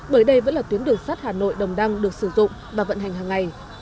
bởi đây vẫn là tuyến đường sắt hà nội đồng đăng được sử dụng và vận hành hàng ngày